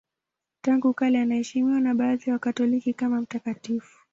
Tangu kale anaheshimiwa na baadhi ya Wakatoliki kama mtakatifu.